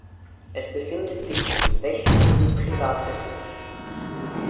Es befindet sich in wechselndem Privatbesitz.